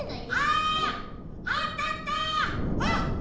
・ああったあった！